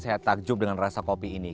saya takjub dengan rasa kopi ini